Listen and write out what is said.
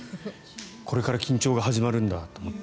これから緊張が始まるんだと思って。